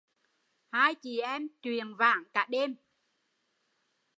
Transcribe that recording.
Hai chị em chuyện vãn cả đêm